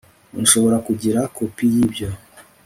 nshobora kugira kopi yibyo